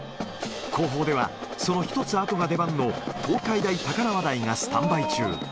後方では、その１つあとが出番の、東海大高輪台がスタンバイ中。